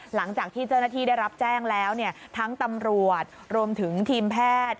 หลังจากที่เจ้าหน้าที่ได้รับแจ้งแล้วเนี่ยทั้งตำรวจรวมถึงทีมแพทย์